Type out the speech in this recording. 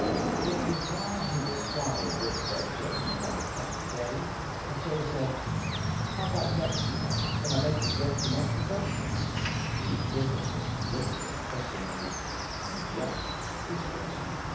It was while he was flying with Brett James on the second day that Joe said, "How about Mexico? Could I make the get to Mexico?" The physicist looked at him questioningly. "Get?" he said.